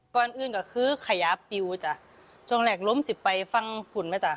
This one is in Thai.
ก่อนอื่นก็คือขยะปิวจ้ะช่วงแรกล้มสิบไปฟังฝุ่นมาจ้ะ